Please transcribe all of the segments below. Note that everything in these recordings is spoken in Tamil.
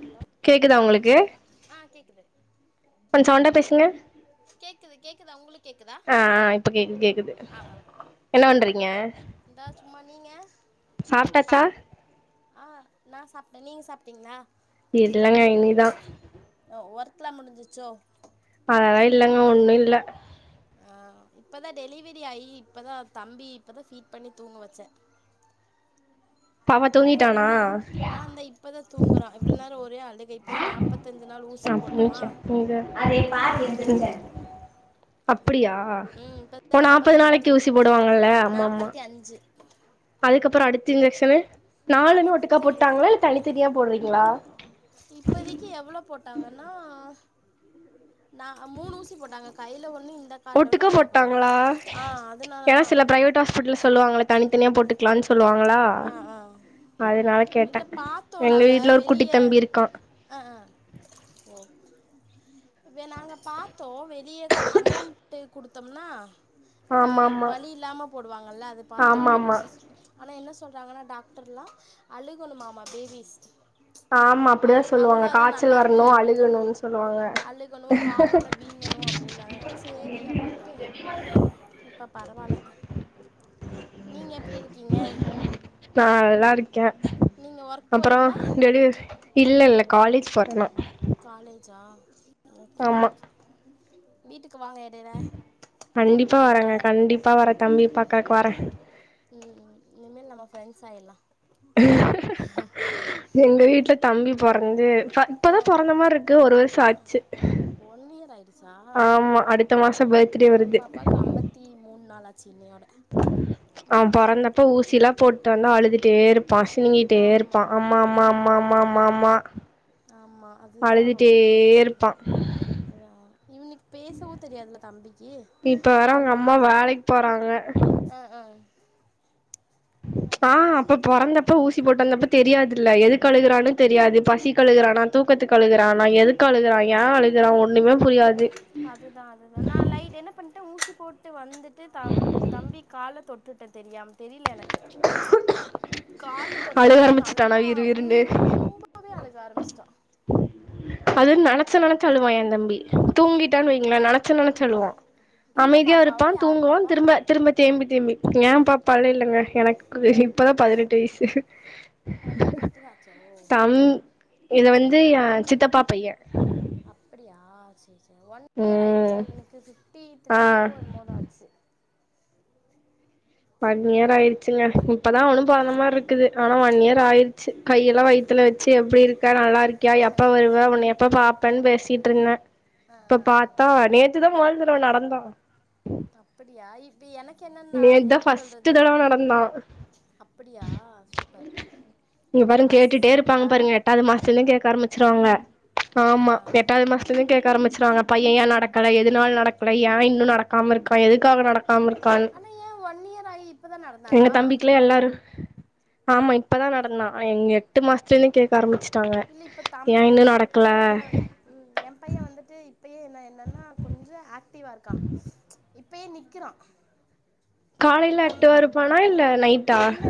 ஹலோ கேக்குதா உங்களுக்கு? ஆ கேக்குது கொஞ்ச சவுண்டா பேசுங்க கேக்குது கேக்குதா உங்ளுக் கேக்குதா ஆ ஆ இப்ப கேக்குது கேக்குது ஆ ஆ என்ன பண்றீங்க இதா சும்மா நீங்க சாப்ட்டாச்சா? ஆ நா சாப்ட்ட நீங்க சாப்ட்டிங்ளா? இல்லங்க இனிதா ஒர்த்துலா முடிஞ்சிச்சோ அதலா இல்லங்க ஒன்னு இல்ல ஆ இப்பதா டெலிவரி ஆயி இப்பதா தம்பி இப்பதா ஃபீட் பண்ணி தூங்க வச்சே பாப்பா ஹலோ தூங்கிட்டானா ஆ இந்த இப்பதா தூங்குறா இவ்ள நேரோ ஒரே அழுகை இப்பதா நாப்பத்தஞ்சிநாள் ஊ அப்றோ சட்னிதா அதனால ம் அப்டியா ம் இப்பதா ஓ நாப்பது நாப்பத்தஞ்சு நாள் நாளைக்கு ஊசி போடுவாங்கள்ல ஆமாஆமா நாப்பத்தி அஞ்சு அதுக்கப்பறோ அடுத்து இன்ஜெக்சனு நாலுமே ஒட்டுக்கா அடுத்து போட்டாங்களா இல்ல தனித்தனியா போடுறீங்ளா இப்பதைக்கி எவ்ளோ போட்டாங்கன்னா நா அ மூணு ஊசி போட்டாங்க கைல ஒட்டுக்கா போட்டாங்களா ஆ ஏன்னா அதனாலதா சில பிரைவேட் ஹாஸ்பிட்டல சொல்லுவாங்களே தனித்தனியா போட்டுக் சொல்லுவாங்களா ஆ ஆ அதனால கேட்டே இல்ல பாத்தோ எங்க நாங்க வீட்ல ஒரு குட்டி வெளிய தம்பி இருக்கா ஆ ஆ வே நாங்க பாத்தோ வெளிய கொ அமௌண்ட் குடுத்தம்னா க ஆமா ஆமா பழி இல்லாம போடுவாங்கல்ல அது பாத்தோ ஆமா ஆமா ஆனா என்ன சொல்றாங்கன்னா டாக்டர்லா அழுகணுமாமா பேபீஸ் ஆமா அப்டிதா சொல்லுவாங்க காச்சல் இருக்கு வரணு அப்டின்னு அழுகணுன்னு சொல்லுவாங்க கணு அப்டின்னாங்க சேரி அப்டின்ட்டு இப்ப பரவால்ல நீங்க எப்டி இருக்கீங்க நா நல்லா இருக் நீங்க ஒர்க் போறீங்ளா இல்ல இல்ல காலேஜ் போறே நா சா ஓகே ஓகே ஆமா வீட்டுக் கண்டிப்பா பாக்க வர்ரேங்க கண்டிப்பா வர்ரே தம்பிய பாக்குறக்கு வர்ரே ம் ம் இனிமேல் நம்ம ஃப்ரெண்ட்ஸ் ஆயிரலா எங்க வீட்ல தம்பி பொறந்து ப ஆ இப்பதா பொறந்த மாரி இருக்கு ஒரு வருஷோ ஆச்சு சா ஆமா அடுத்த ஏ மாசோ பைய பர்த்டே ஏ வருது பாப்பாக்கு ஐம்பத்தி மூணு நாள் ஆச்சி இன்னயோட அவே பொறந்தப்ப ஊசில்லா போட்டான்னா அழுதுட் டே இருப்பா சினுங்கிட்டே இருப்பா ஆமா அம்மா அம்மா ம் அம்மா அம்மா அம்மா அம்மா ஆமா அதுதா அழுதுட்டே ரொம்ப பாக்கனு இருப்பா அதா இவன்க்கு பேசவு தெரியாதுல தம்பிக்கு இப்ப வேற அவங்க அதனால அம்மா வேலைக்கு போறாங்க ஆ ஆ ஆ அதுதா அப்ப பொறந்தப்ப ஊசி போட்டு வந்தப்ப தெரியாதுல்ல எதுக்கு அழுகுறான்னு தெரியாது பசிக்கு அழுகுறானா தூக்கத்துக்கு அழுகுறானா எதுக்கு அழுகுறா ஏ அழுகுறா ஒன்னுமே புரியாது அதுதா அதுதா நா லைட் என்ன பண்ணட்டே ஊசி போட்டு வந்துட்டு தம் தம்பி கால தொட் டே தெரியாம தெரியல எனக் கால தொட்ட அழுக ஒன்னே ஆரம்பிச்சுட்டானா நல்லா வீறு வீறுன்னு ம் ரொம்பவே அழுக ஆரம்பிச்சிட்டா அது நெனச்சி நெனச்சி அழுவா ஏ தம்பி ஓ தூங்கிட்டான்னு வைங்களே நெனச்சி நெனச்சி அழுவா உங்க அமைதியாவு இருப்பா பாப்பாவா யார் தூங்குவா பாப்பா திரும்ப திரும்ப தேம்பி தேம்பி ஏ பாப்பா அழுகலங்க எனக்கு ஆ வெளிப் இப்பதா பதினெட்டு வயசு பதினெட்டு தாச்சோ தம் இது வந் து ஏ சித்தப்பா பைய சேரி சேரி ஒன் இயர் ஆயிடுச்சா ம் இவனுக்கு ஆ பிப்டிதிரீயோ என்னமோ தா ஆச்சி ஒன் இயர் ஆயிருச்சுங்க இப்பதா அவனும் பொறந்த ம் மாதிரி இருக்குது ஆனா ஒன் இயர் ஆயிருச்சி கையெல்லா வயித் துல வச்சி எப்டி இருக்க நல்லா இருக்கியா எப்ப வருவ உன்னய எப்ப பாப்பேன்னு பேசிட்டுருந்தே ஆ இப்ப ஆ ஆ பாத்தா நேத்துதா மொதல் தடவ நடந்தா அப்டியா இப் இப்ப எனக்கு என்னன்னா நேத்து தா எப்டி ஃபஸ்ட்டு சொல்றது தடவ நடந்தா அப்டியா சூப்பர் இங்க பாருங்க ஃபஸ்ட்டு கேட்டுட்டே இருப்பாங்க ஸ்டெப்பா பாருங்க எட்டாவது மாசத்துலயே கேக்க ஆரம்பிச்சிருவாங்க ஆ ஆமா ஆ எட்டாவது மாசத்துலேருந் கேக்க ஆரம்பிச்சுருவாங்க பைய ஏ ந நடக்கல எதுனால நடக்கல ஏ இன்னு நடக்காம இருக்கா எதுக்காக நடக்காம இருக்கான்னு ஏ ஒன் இயர் ஆகி இப்பதா எங்க நடந்தானா தம்பிக்குலா எல்லாரு ஆமா இப்பதா நடந்தா இங்க எட்டு மாசத்துலேருந்து கேக்க ஆரம்பிச்சு இல்ல இப்ப தம்பி ஏ பைய ம் ஏ பைய வந்துட்டு இப்பயே என்ன என்னன்னா கொஞ்ச ஆக்டிவா இருக்கா இப்பயே நிக்கிறா காலையில அட்டு நம்ம வறுப்பானா இல்ல நைட்டா இல்ல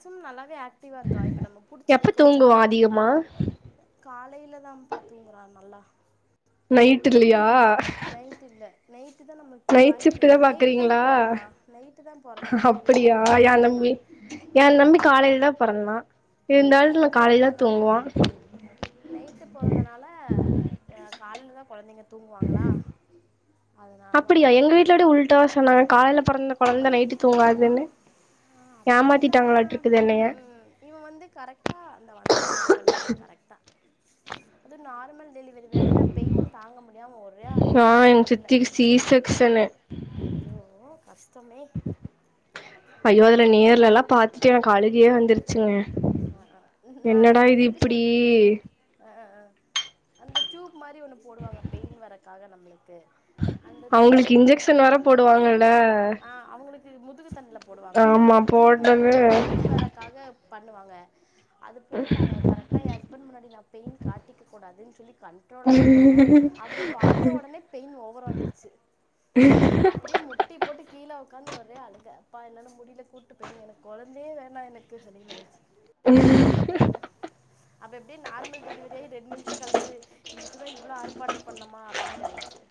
சிமம் நல்லாவே ஆக்டீவா இருக்கா இப்ப நம்ம புடிச்ச எப்ப நிக்க தூங்குவா வச்சோம்னா அதிகமா கால் காலையில தான்பா தூங்குறா நல்லா நைட்டு இல்லையா நைட்டு இல்ல நைட்டுதா நம்ம தூக்க நைட் கை ஷிஃப்ட் தா நைட்டு தான பொறந்தா நைட்டுதா பொறந்தான் அப்டியா ஏ தம்பி ஏ தம்பி காலையிலதா பொறந்தா ஓ இருந்தாலு நைட்டு நா காலையில தா பொறந்தனால தூங்குவா நைட்டு பொறந்தனால ஆ காலையிலதா கொழந்தைங்க தூங்குவாங்களா அதனாலதா அப்படியா எங்க என்ன வீட்ல கூட உல்டாவா சொன்னாங்க காலையில பொறந்த கொழந்த நைட்டு தூங்காதுன்னு ஆ அப்டி இல்ல ஆனா ஏமாத்திட்டாங்களாட்ருக்குது என்னைய ம் இவன் வந்து கரெக்டா அந்த அந்த மாரி இது பண்ணிக்கிறா கரெக்டா அது நார்மல் டெலிவரி வேறயா பெயின் தாங்க முடியாம ஒரே அழுக ஆ எங்க ஹாஸ்பிட்டல்ல சித்திக்கு சி செக்ஷனு ஐயோ கஷ்டமே இல்ல நேர்லல்லா பாத்துட்டு எனக்கு அழகையே வந்துருச்சுங்க ஆ நா என்னடா எனக்கு இது எப்டி இப்டி சொல்றது ஆ அந்த டியூப் மாரி ஒன்னு போடுவாங்க பெயின் வரக்காக நம்மளுக் அவுங்களுக்கு இன்ஜெக்ஷன் வேற போடுவாங்கல்ல இது முதுகுத்தண்டுல போடுவாங்க ஆமா நம்மளுக்கு டியூப் மாரி போட்டது ஒன்னு பெயின் வர்றக்காக பண்ணுவாங்க அது போட்டாங்க கரெக்டா ஏ ஹஸ்பண்ட் முன்னாடி நா பெயின் காட்டிக்கக் கூடாதுன்னு சொல்லி கண்ட்ரோலா இருக்கே அவர பாத்த ஒடனே பெயின் ஓவரா வந்துச்சு அப்படியே முட்டி போட்டு கீழ உக்காந்து ஒரே அழுக அப்பா என்னால முடியல கூட்டு போய்ருங்க எனக் கொழந்தையே வேணா எனக்கு அப்டி ஐயோ அப்ப எப்டியோ நார்மல் டெலிவரியாயி ரெண்டு நிமிஷ கழிச்சு இதுக்குதா இவ்ளோ ஆர்ப்பாட்ட பண்ணோமா அப்டின்னு ஆயிடுச்சு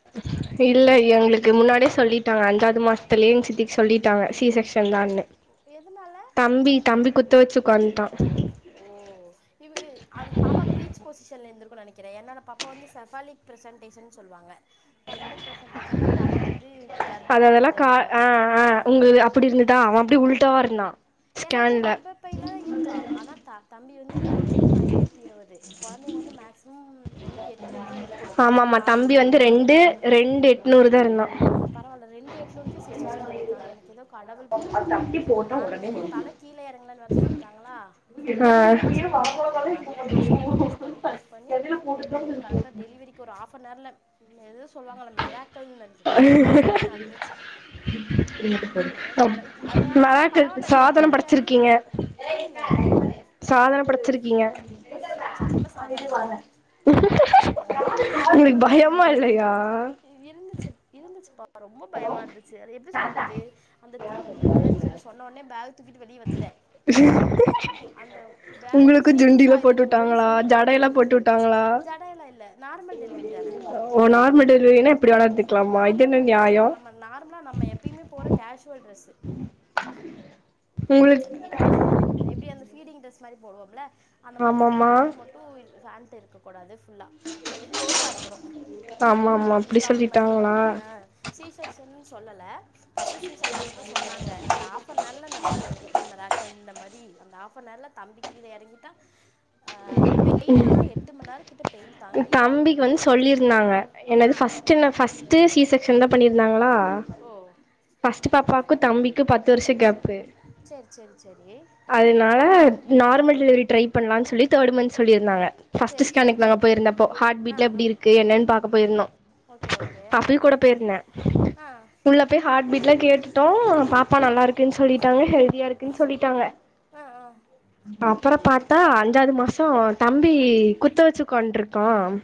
இல்ல எங்களுக்கு முன்னாடியே சொல்லிட்டாங்க அஞ்சாது மாசத்துலயே எங் சித்திக்கு சொல்லிட்டாங்க சி செக்ஸன் தான்னு எதுனால தம்பி தம்பி குத்த வச்சு உக்காந்ட்டா அது பாப்பா ப்ரீச் பொசிஷன்ல இருந்துக்குன்னு நெனைக்கிறே ஏன்னா நா பாப்பா வந்து செஃபாலிக் ப்ரெசன்டேஷனு சொல்லுவாங்க சஃபாலிக் ப்ரெசன்டேசன்னா தல வந்து அத அதெல்லா கர்ப்பப்பையில கா இருக்கு ஆ அப்டின்னு ஆ உங்க இது அப்டி இருந்துதா அவ அப்டி உள்ட்டாவா இருந்தா எனக்கும் ஸ்கேன்ல கர்ப்பப்பைலா இருக்கா ஆனா த த தம்பி வந்து மூணு ஐநூத்தி இருவது கொழந்தைங்க வந்து மேக்சிமம் ரெண்டு எட்நூறு தா இருக்கணு மேக்சிமம் ஆமாமா தம்பி நார்மல் வந்து வெயிட்டு ரெண்டு ரெண்டு எட்நூறுதா ஆ பரவாயில்ல ரெண்டு எட்நூறுக்கே சி செக்ஷன் பண்ணிருக்காங்க எனக்கு ஏதோ க கடவுள் புண்ணியோ நார்மல் டெலி தல கீழ எறங்கலன்னு வேற சொல்லிட்டாங்களா அதனால என்னாச்சு அது நல்லா புஷ் பண்ணி புஷ் பண்ணி புஷ் பண்ணி எப்டியோ கரெக்டா டெலிவரிக்கு ஒரு ஆஃப்னவர்ல இங்க எதோ சொல்லுவாங்கல்ல மெராக்கல்னு நெனைக்க அந்த மாரி நடந்துச்சு ஏதோ உ கட அதனால ஆனா மெராக்கிள் பரவால்ல சாதன டெலிவரி ஆயி படச்சிருக்கீங்க புரில சாதன படச்சிருக் அது சத்தி உங்களுக்கு பயமா இல்லையா இ இருந்துச்சு இருந்துச்சுப்பா ரொம்ப பயமா இருந்துச்சு அது எப்டி சொல்றது அந்த டியூப் விட்றேனு சொல்லி சொன்ன ஒட்னே பேக் தூக்கிட்டு வெளிய வந்துட்டெ உ அந்த பேக சீரியஸாக இத நா பொய் விட்டாங்களா சொல்லல ஜடையெல்லா போட்டு சீரியஸா விட்டாங்களா ஜடெல்லா இல்ல நார்மல் டெலிவரி தான ஓ நார்மல் டெலிவரினா இப் நார்மல் டெலிவரி நம்ம நார்மலா நம்ம எப்பயுமே போற கேஷுவல் ட்ரெஸ் [inaudible] எப்டி அந்த ஃபீடிங் ட்ரெஸ் மாரி போடுவோம்ல அந்த மாரி என்ன ஆமாமா பேண்ட்டு இல் மட்டு பேண்ட்டு இருக்க கூடாது ஃபுல்லாக அப்டி க்ளோஸா இருக்கணு அ ஆமாங் [unintelligible] அந்த மாரி அ சி செக்சனு சொல்லல ஃபர்ஸ்டு சி செக்சனு தா சொன்னாங்க அந்த ஆ ஹாஃப்னர்ல நல்ல நடந்தத மெடிக்கல் மிராக்கல் இந்த மாரி அந்த ஹாஃப்னர்ல தம்பி கீழ எறங்கிட்டா ஆ பெய்ன் ஆனா எட்டு மண்ணேரோ கிட்ட பெயின் தாங்கி தான் இவனை தம்பிக்கு வந்து வெளியே எடுத்தேன் சொல்லியிருந்தாங்க என்னது ஆ ஆ ஃபஸ்ட் என்ன ஃபஸ்டு சி செக்ஷன் தா பண்ணிருந்தாங்ளா ஓ ஃபஸ்ட் பாப்பாக்கு தம்பிக்கு பத்து வர்ஷோ கேப்பு சேர் சேர் செரி அதனால நார்மல் டெலிவரி ட்ரை பன்லானு சொல்லி தேர்ட் மந்த் சொல்லிருந்தாங்க செர் செரி செரி ந்தப்போ ஹார்ட் பீட்ல எப்டி இருக்கு என்னன்னு பாக்க போயிருந்தோ ஓகே ஓகே ஹஃபில் கூட போயிருந்தே ஆ உள்ள போய் ஹார்ட் பீட்லா கேட்டுட்டோ பாப்பா நல்லாருக் சொல்லிட்டாங்க ஹெல்தியா இருக்குனு சொல்லிட்டாங்க ஆ ஆ அப்பறோ பாத் தா அஞ்சாவது மாசோ தம்பி குத்து வச்சு உக்காண்ட்ருக்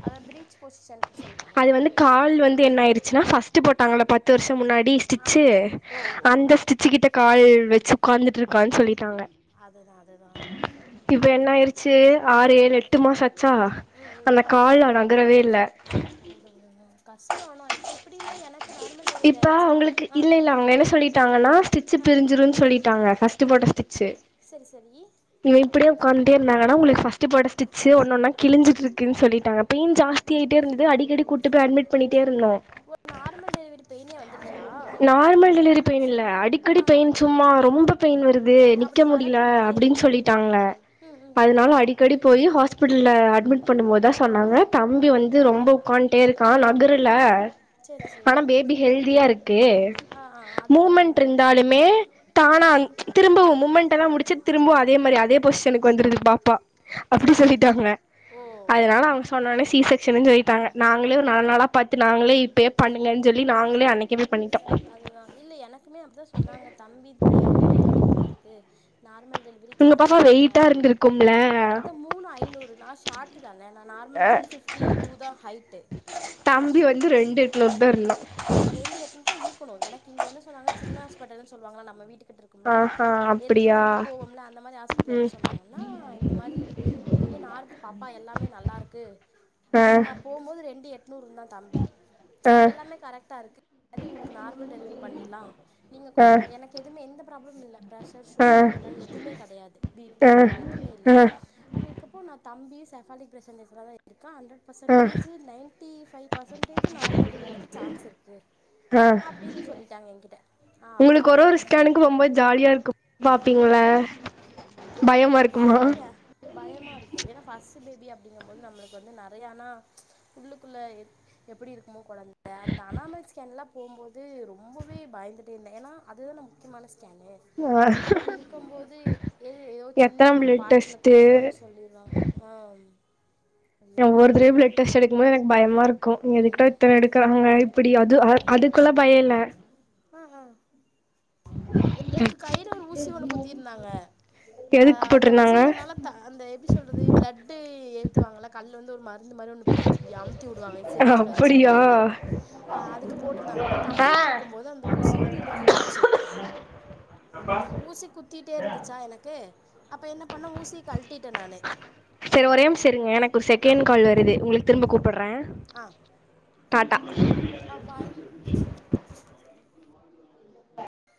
அதை ப்ரீச் பொசிஷன் சொல்லுவாங்க அது வந்து கால் வந் ந்து என்ன ஆயிச்சுனா ஃபர்ஸ்டு போட்டாங்கள பத்து வர்ஷ முன்னாடி ஸ்டிச்சு ஆமாம் ஓ ஓ அந்த ஸ்டிச் கிட்ட கால் வச்சு உக்காந்துட்ருக்கானு சொல்லிட்டாங்க அதுதான் அதுதான் இப்ப என்ன ஆயிருச்சு ஆறு ஏழு எட்டு மாசோ ஆச்சா ம் ம் அந்த கால்லா நகரவே இல்ல கஷ்டோ ஆனா இப்ப எப்டின்னா எனக்கு நார்மல் டெலிவரி ஆயிடுச்சா ஆ ஆனா ஸ்டிச்சு ஆ பிருஞ்சுரு சொல்லிட்டாங்க கஸ் ஃபஸ்ட் போட்ட ஸ்டிச்சு சரி சரி இவ இப்டியே உக்காந்துட் டே இருந்தாங்கனா உங்களுக்கு ஃபஸ்டு போட்ட ஸ்டிச்சே ஒன்னொன்னா கிழுஞ்சுட் இருக்குன் சொல்லிட்டாங்க பெயின் ஜாஸ்திய ஆயிட்டே இருந்தது அடிக்கடி கூட்டு போய் அட்மிட் பண்ணிட்டே இருந்தோ ஓ நார்மல் டெலிவரி பெயினே வந்துருச்சா நார்மல் டெலிவரி பெய்ன் இல்ல அடிக்கடி ஆ பெயின் சும்மா ரொம்ப பெய்ன் ன் வருது அப்டி நிக்க அப்டி முடில வரக்கூடாதே அப்டின் சொல்லிட்டாங்க ம் ம் ம் அதுனால அடிக்கடி போயி ஹாஸ்பிட்டல்ல அட் பண்ணும் போதுதா சொன்னாங்க தம்பி வந்து ரொம்ப உட்காந்டே இருக்கா நகரல சரி சரி ஆனா பேபி ஹெல்தியா இருக்கு ஆ ஆ அதுதா மூமெண்ட் வேணு இருந்தாலுமே தானா ம் திரும்புவ் முமெண்ட் எல்லா முடுச்சு திரும்பு அதே மாரி அதே பொசிசனுக்கு வந்துருது பாப்பா அப்டி சரி சரி சொல்லிட்டாங்க ஓ அதனால அவங்க சொன்னொன்ன சி செக்க்ஷனு சொல்லிட்டாங்க நாங்ளே ஒரு நாள் நாளா பத்து நாங்ளே இப் ப்பயே பண்ணுங்கன் சொல்லி நாங்ளே அன்னிக்கே போய் பண்ணிட்டோ அதுதா இல்ல அது வந்து பெருசா இருக்கு நார்மல் டெலிவரி உங்க பாப்பா சான்ஸே இல்ல வெயிட்டா அப்டினா இருந்திருக்கும்ல அதா மூணு ஐநூறு நா ஷார்ட்டு தான நா நார்மல் ஒன் ஃப்டி டூ தா ஹைட்டு தம்பி வந்து ரெண்டு கிலோ தா இருந்தான் ப்பனு எனக்கு இங்க என்ன சொன்னாங்கனா சின்ன ஹாஸ்பிட்டல்லு சொல்லுவாங்கள நம்ம வீட்டுக்கு கிட்டருக்கும்ல ஆஹா ஏதோ அப்டியா ஒன்னா போவோம்ல அந்த மாரி ஆஸ்பிட்டல்ல என்ன ம் சொன்னாங்கன்னா இந்த மாரி இங் இங்க நார் பாப்பா எல்லாமே நல்லா இருக்கு ஆ அப்ப நா போம்போது ரெண்டு எட்நூறு இருந்தான் தம்பி ஆ எல்லாமே கரெக்டா இருக்கு சரி உங்களுக்கு நார்மல் டெலிவரி பண்ணிலா நீங்க ஆ கொஞ்ச பிர எனக்கு எதுமே எந்த ப்ராப்ளமு இல்ல ப்ரெஷர் ஆ சுகர் அந் ல எதுமே கெடையாது ஆ பீபியோ எதுமே இல்ல ஆ அப்படி இருகப்போ நா தம்பியு செஃபாலிக் பிரசன்டேசன்லா தா இருக்கா அண்டரட் ஆ percentage ninety five percentage normal டெலிவிரிக்கு சான்ஸ் இருக்கு ஆ அப்டின்னு சொல்லிட்டாங்க என்கிட்ட ஆ அப்பா உங்களுக்கு ஒரு ஒரு ஓகே சாமி ஸ்கேனுகு போம்போ ஜாலியா இருக்கும் பாப்பீங்ள அ பாாப்போ எ பயமா இருக்கு ஏனா பஸ் டு பேபி அப்படிங்க போது நம்மளுக்கு வந்து நெறயா ஆனா உள்ளுக்குள்ள எப் எப்படி இருக்குமோ கொழந்த அந்த அனாமல் ஸ்கேன்லா போம்போது ரொம்பவே பயந்துட்டே இருந்தே ஏன்னா அதுதா நம் மனசு கேன ஆ அப்டி இருக்கும் போது எ எத ஏதோ எத்தன சின்ன ஒரு பிளட் பாட்ஸ்ல கூட டெஸ்ட்டு ஏதோ ஒன்னு சொல்லிரு எ ஐயோ ஒவ்வொரு கடவுளே தடவில டெஸ்ட் எடுக்கு போது எனக் பயமா இருக்கு நீ எதுக்டா இத்தன எடுக்றாங்க இப்படி அது அ அதுக்குள்ளா பய இல்ல ஆ ஆ எனக்கு கைல ஒரு ஊசி ஒன்னு குத்திருந்தாங்க அ எதுக்கு அத வச்சு போட்ருந்தாங்க என்னால த அந்த எப்டி சொல்றது பிளட்டு ஏத்துவாங்கள கல்லு வந்து ஒரு மாரி அந்த மாரி ஒன்னு பீச் அம்தி விடுவாங்க சிரஞ்சில வச்சு அப்படியா கைல ஆ அதுக்கு போட்டுருந்தாங்க அப்ப தம்பி தூக்கும் போது அந்த ஊசி வந்து இதுல குத்திச்சு ஊசி குத்திட்டே இருந்துச்சா எனக்கு அப்ப என்னப் செரி ஒரே நிம்ச இருங்க எனக்கு ஒரு ஆ செகண்ட் கால் வருது உங்கள திரும்ப கூப்பிடுறே ஆ அ பாய்